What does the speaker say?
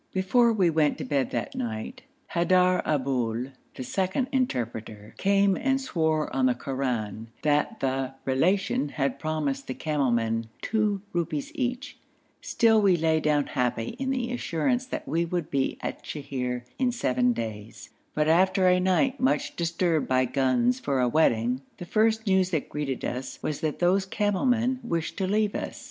Before we went to bed that night, Haidar Aboul, the second interpreter, came and swore on the Koran that the Relation had promised the camel men two rupees each; still we lay down happy in the assurance that we should be at Sheher in seven days, but after a night much disturbed by guns for a wedding, the first news that greeted us was that those camel men wished to leave us.